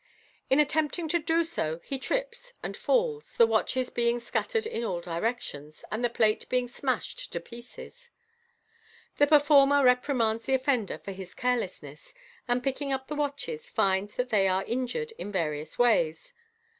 In attempting to do so he trips and falls, the watches being scattered in all directions, and the plate being smashed to pieces. The per. former reprimands the offender for his carelessness, and picking up the watches, finds that they are injured in various ways.